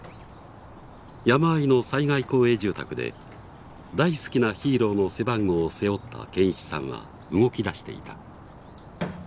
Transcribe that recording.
山あいの災害公営住宅で大好きなヒーローの背番号を背負った堅一さんは動きだしていた。